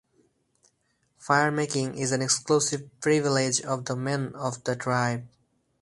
Fire-making is an exclusive privilege of the men of the tribe.